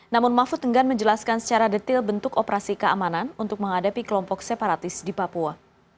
namun mahfud enggan menjelaskan secara detail bentuk operasi keamanan untuk menghadapi kelompok separatis di papua